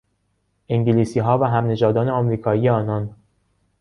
انگلیسیها و همنژادان امریکایی آنان